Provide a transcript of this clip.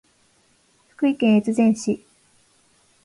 福井県越前市